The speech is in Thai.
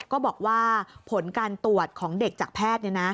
ก็บอกว่าผลการตรวจของเด็กจากแพทย์